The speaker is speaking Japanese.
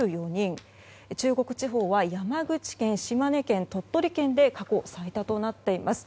中国地方は山口県、島根県、鳥取県で過去最多となっています。